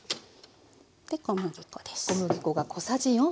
で小麦粉です。